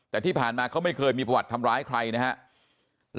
แต่ที่ผ่านมาเขาไม่เคยมีประวัติทำร้ายใครนะครับ